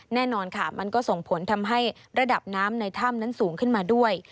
แน่นอนค่ะมันก็ส่งผลทำให้ระดับน้ำในถ้ำนั้นสูงขึ้นมาด้วย